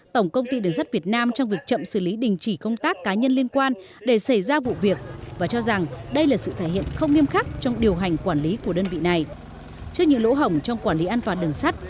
trước những lỗ hổng trong quản lý an toàn đường sắt